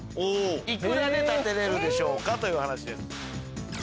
いくらで建てれるでしょうか？という話です。